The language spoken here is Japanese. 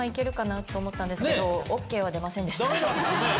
駄目なんですね。